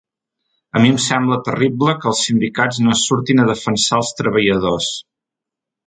A mi em sembla terrible que els sindicats no surtin a defensar els treballadors.